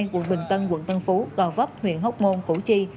quận bình tân quận tân phú tò vấp huyện hốc môn phủ chi